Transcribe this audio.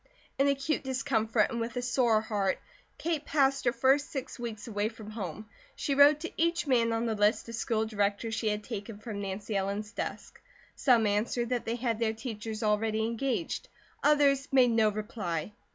In acute discomfort and with a sore heart, Kate passed her first six weeks away from home. She wrote to each man on the list of school directors she had taken from Nancy Ellen's desk. Some answered that they had their teachers already engaged, others made no reply.